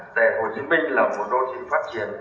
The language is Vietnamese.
đại hồ hồ chí minh là một đô thị phát triển